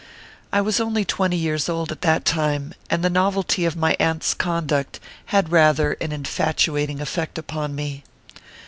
I was only twenty years old at that time, and the novelty of my aunt s conduct had rather an infatu ORPHEUS C. KERR PAPERS. 23 ating effect upon me.